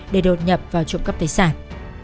để đột nhập vào trộm cắp tài sản